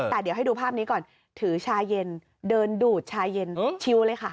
แต่เดี๋ยวให้ดูภาพนี้ก่อนถือชาเย็นเดินดูดชาเย็นชิวเลยค่ะ